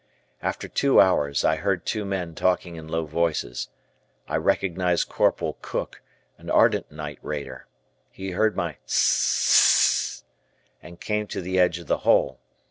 After two hours, I heard two men talking in low voices. I recognized Corporal Cook, an ardent "night raider." He heard my "siss s s s" and came to the edge of the hole.